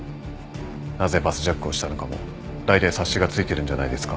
なぜバスジャックをしたのかもだいたい察しがついてるんじゃないですか？